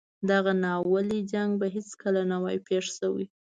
دغه ناولی جنګ به هیڅکله نه وای پېښ شوی.